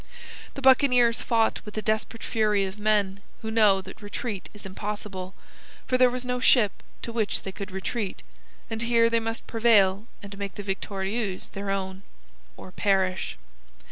The buccaneers fought with the desperate fury of men who know that retreat is impossible, for there was no ship to which they could retreat, and here they must prevail and make the Victorieuse their own, or perish.